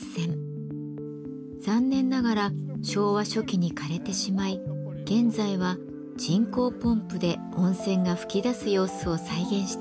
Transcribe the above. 残念ながら昭和初期にかれてしまい現在は人工ポンプで温泉が噴き出す様子を再現しています。